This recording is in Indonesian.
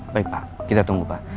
baik pak kita tunggu pak